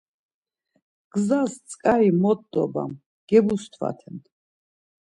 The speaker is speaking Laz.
Gzas tzǩari mot dobam gebustfaten.